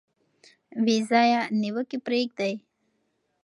بې ځایه نیوکې پریږدئ.